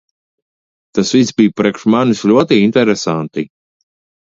Tas viss bija priekš manis ļoti interesanti.